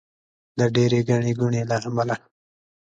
د ډېرې ګڼې ګوڼې له امله.